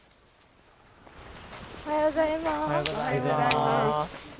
おはようございます。